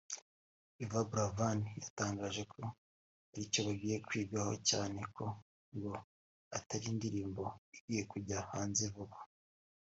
Yvan Buravan yatangaje ko ari cyo bagiye kwigaho cyane ko ngo atari indirimbo igiye kujya hanze vuba